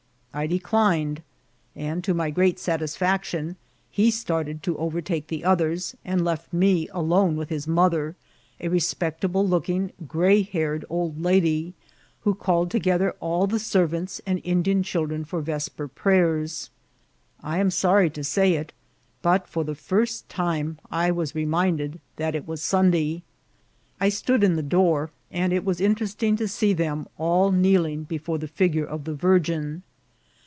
I declined ; and, to my great satisfaction, he started to overtake the others, and left me alone with his mother, a respecta ble looking, gray haired old lady, who called together all the servants and Indian children for vesper prayers. I am sorry to say it, but for the first time I was remind ed that it was Sunday. I stood in the door, and it was interesting to see them all kneeling before the figure of the Virgin.